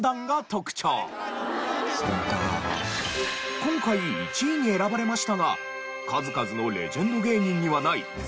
今回１位に選ばれましたが数々のレジェンド芸人にはないその理由が。